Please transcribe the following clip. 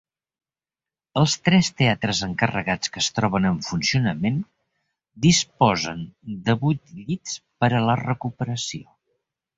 Els tres teatres encarregats que es troben en funcionament disposen de vuit llits per a la recuperació.